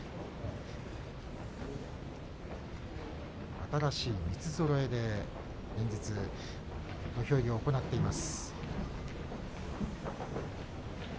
新しい三つぞろいで連日土俵入りを行っています。